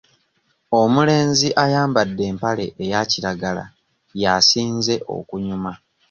Omulenzi ayambadde empale eya kiragala y'asinze okunyuma.